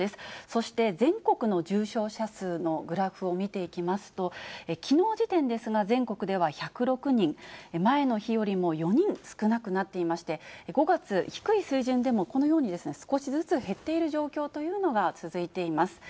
そして全国の重症者数のグラフを見ていきますと、きのう時点ですが、全国では１０６人、前の日よりも４人少なくなっていまして、５月、低い水準でもこのように少しずつ減っている状況というのが続いています。